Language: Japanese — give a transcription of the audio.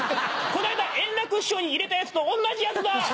この間円楽師匠に入れたやつと同じやつだ！